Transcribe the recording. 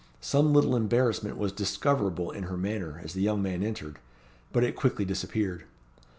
Some little embarrassment was discoverable in her manner as the young man entered; but it quickly disappeared.